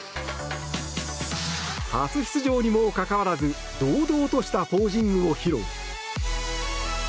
初出場にもかかわらず堂々としたポージングを披露。